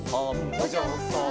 「おじょうさん」